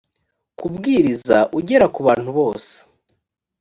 kubwiriza ugera ku bantu bose